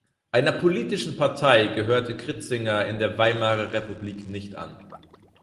Einer politischen Partei gehörte Kritzinger in der Weimarer Republik nicht an.